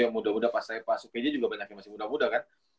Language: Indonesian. yang muda muda pas saya masuk apj juga banyak yang masih muda muda kan